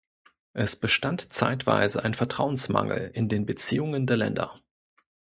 Es bestand zeitweise ein Vertrauensmangel in den Beziehungen der Länder.